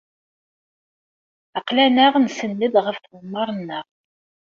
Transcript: Aql-aneɣ nsenned ɣef tɣemmar-nneɣ.